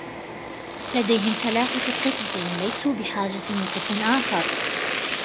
لديهم ثلاثة قطط ، ليسوا بحاجة لقط آخر.